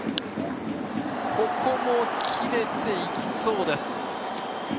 ここも切れていきそうです。